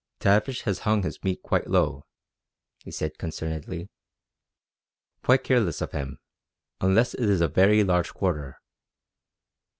"Tavish has hung his meat low," he said concernedly. "Quite careless of him, unless it is a very large quarter."